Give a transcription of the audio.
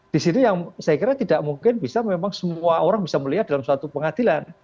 di sini yang saya kira tidak mungkin bisa memang semua orang bisa melihat dalam suatu pengadilan